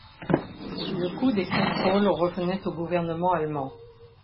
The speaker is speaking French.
Le coût des contrôles revenait au gouvernement allemand.